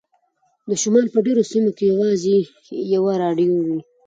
د شمال په ډیرو سیمو کې یوازې یوه راډیو وي